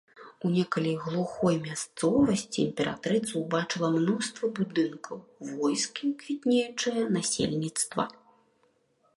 У некалі глухой мясцовасці імператрыца ўбачыла мноства будынкаў, войскі, квітнеючае насельніцтва.